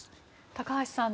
高橋さん